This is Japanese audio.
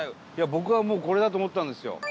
僕は、これだと思ったんですよ。